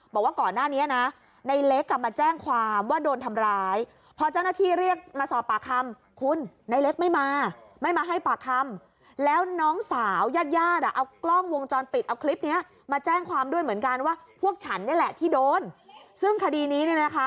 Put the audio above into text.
บอกว่าก่อนหน้านี้นะไนล็กกลับมาแจ้งความว่าโดนทำร้าย